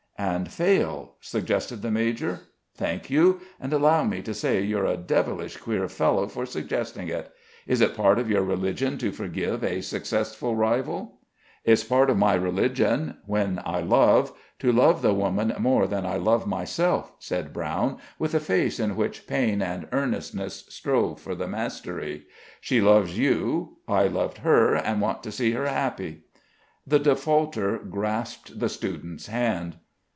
"And fail," suggested the major. "Thank you; and allow me to say you're a devilish queer fellow for suggesting it. Is it part of your religion to forgive a successful rival?" "It's part of my religion, when I love, to love the woman more than I love myself," said Brown, with a face in which pain and earnestness strove for the mastery. "She loves you. I loved her, and want to see her happy." The defaulter grasped the student's hand.